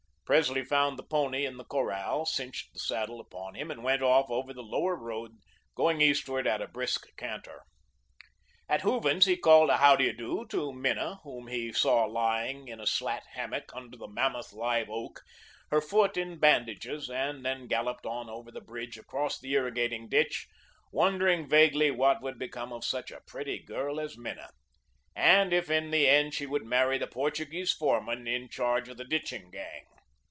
Presley found the pony in the corral, cinched the saddle upon him, and went off over the Lower Road, going eastward at a brisk canter. At Hooven's he called a "How do you do" to Minna, whom he saw lying in a slat hammock under the mammoth live oak, her foot in bandages; and then galloped on over the bridge across the irrigating ditch, wondering vaguely what would become of such a pretty girl as Minna, and if in the end she would marry the Portuguese foreman in charge of the ditching gang.